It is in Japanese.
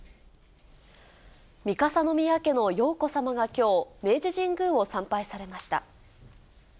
三笠宮家の瑶子さまがきょう、明治神宮を参拝されました。